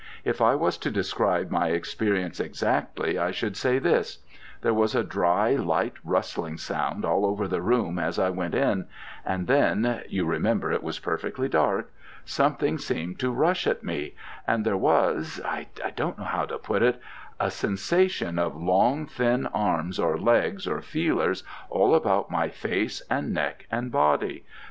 If I was to describe my experience exactly, I should say this: there was a dry, light, rustling sound all over the room as I went in, and then (you remember it was perfectly dark) something seemed to rush at me, and there was I don't know how to put it a sensation of long thin arms, or legs, or feelers, all about my face, and neck, and body.